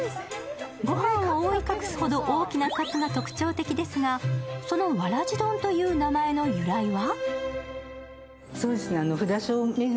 御飯を覆い隠すほど大きなカツが特徴ですが、そのわらじ丼という名前の由来は？